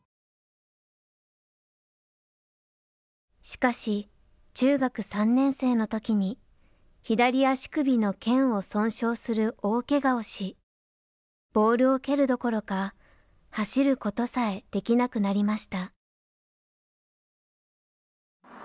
しかし中学３年生の時に左足首の腱を損傷する大けがをしボールを蹴るどころか走ることさえできなくなりました。